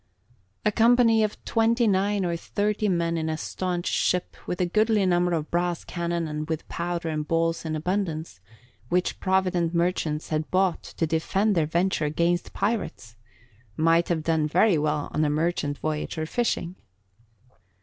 A company of twenty nine or thirty men in a staunch ship with a goodly number of brass cannon and with powder and balls in abundance (which provident merchants had bought to defend their venture against pirates!) might have done very well on a merchant voyage or fishing.